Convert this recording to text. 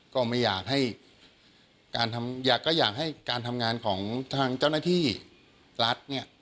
ก็ไม่อยากให้ก็อยากให้การทำงานของทางเจ้าหน้าที่รัฐเนี่ย